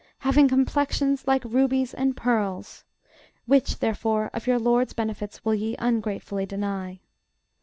Having complexions like rubies and pearls. Which, therefore, of your LORD'S benefits will ye ungratefully deny?